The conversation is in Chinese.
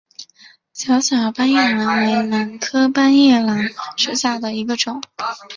小小斑叶兰为兰科斑叶兰属下的一个种。